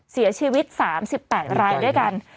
เสียชีวิต๓๘รายด้วยกัน